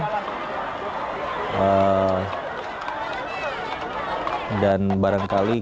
hai dan barangkali